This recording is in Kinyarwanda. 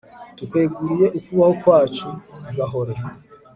tukweguriye ukubaho kwacu, gahore